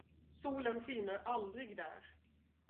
Solen skiner aldrig där.